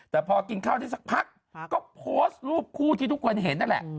แต่พอกินข้าวได้สักพักก็โพสต์รูปคู่ที่ทุกคนเห็นนั่นแหละ